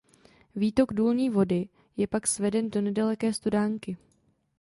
Výtok důlní vody je pak sveden do nedaleké studánky.